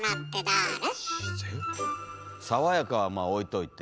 「爽やか」はまあ置いといて。